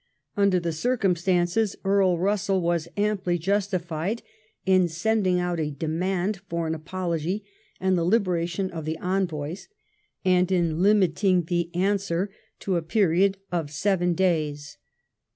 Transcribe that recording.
Under the circumstances Earl Bussell was amply justi fied in sending out a demand for an apology and the liberation of the envoys; and in limiting the answer to 224 LIFE OF VISCOUNT FALMEBSTON. a period of Boyen days.